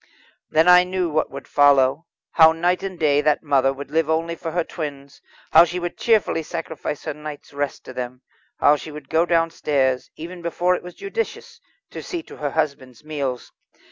Then I knew what would follow. How night and day that mother would live only for her twins, how she would cheerfully sacrifice her night's rest to them; how she would go downstairs, even before it was judicious, to see to her husband's meals.